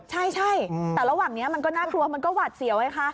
ใช่แต่ระหว่างนี้มันก็น่ากลัวมันก็หวัดเสียวไงคะ